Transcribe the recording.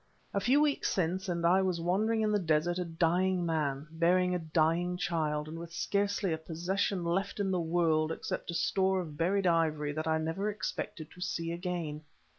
A few weeks since and I was wandering in the desert a dying man, bearing a dying child, and with scarcely a possession left in the world except a store of buried ivory that I never expected to see again.